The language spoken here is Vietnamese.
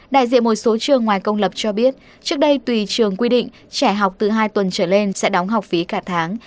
đại diện một số trường ngoài công lập cho biết trước đây tùy trường quy định trẻ học từ hai tuần trở lên sẽ đóng học phí cả tháng